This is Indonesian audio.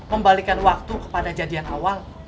membalikan waktu kepada jadian awal